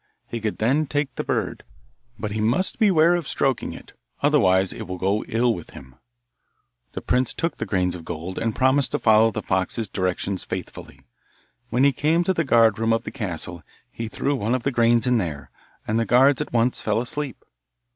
He could then take the bird, but he must beware of stroking it; otherwise it would go ill with him. The prince took the grains of gold, and promised to follow the fox's directions faithfully. When he came to the guard room of the castle he threw one of the grains in there, and the guards at once fell asleep.